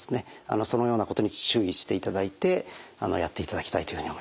そのようなことに注意していただいてやっていただきたいというふうに思います。